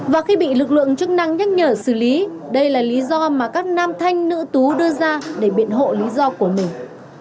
và khi bị lực lượng chức năng nhắc nhở xử lý đây là lý do mà các nam thanh nữ tú đưa ra để biện hộ lý do của mình